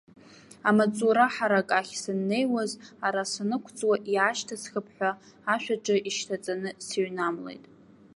Амаҵура ҳарак ахь саннеиуаз, ара санықәҵуа иаашьҭысхып ҳәа, ашә аҿы ишьҭаҵаны сыҩнамлеит.